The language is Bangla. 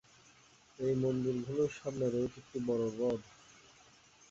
এই মন্দিরগুলির সামনে রয়েছে একটি বড়ো হ্রদ।